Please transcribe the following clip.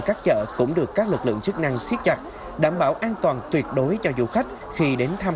các chợ cũng được các lực lượng chức năng siết chặt đảm bảo an toàn tuyệt đối cho du khách khi đến thăm